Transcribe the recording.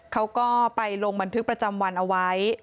เขาก็ไปลงบันทึกประจำวันเอาไว้